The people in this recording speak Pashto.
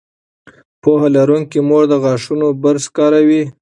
پوهه لرونکې مور د غاښونو برش کاروي.